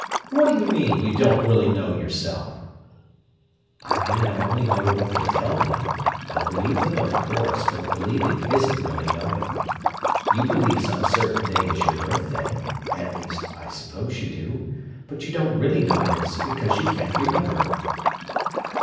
"What do you mean: you don't really know yourself?" "I mean I only know what they tell me. I believe them, of course, but believing isn't really knowing. You believe some certain day is your birthday—at least, I suppose you do—but you don't really know it is because you can't remember."